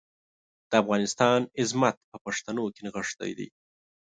د افغانستان عظمت په پښتنو کې نغښتی دی.